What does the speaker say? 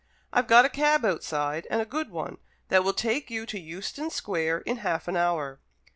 I've got a cab outside, and a good one, that will take you to Euston Square in half an hour."